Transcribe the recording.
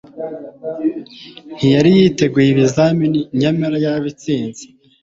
ntiyari yiteguye ibizamini nyamara yarabitsinze